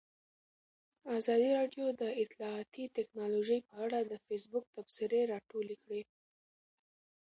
ازادي راډیو د اطلاعاتی تکنالوژي په اړه د فیسبوک تبصرې راټولې کړي.